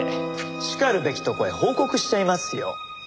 しかるべきとこへ報告しちゃいますよ。